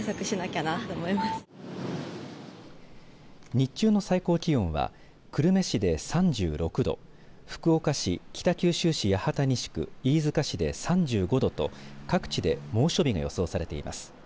日中の最高気温は久留米市で３６度福岡市、北九州市八幡西区飯塚市で３５度と各地で猛暑日が予想されています。